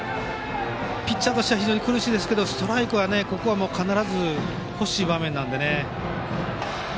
ピッチャーとしては苦しいですがストライクはここはもう必ず欲しい場面なので。